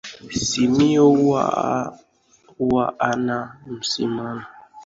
Simiyu huwa hana msimamo